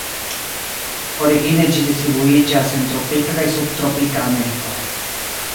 Origine ĝi distribuiĝas en tropika kaj subtropika Ameriko.